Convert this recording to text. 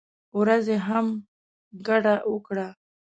ورځې هم ګډه وکړه.